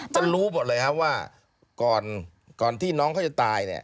จะรู้หมดเลยครับว่าก่อนที่น้องเขาจะตายเนี่ย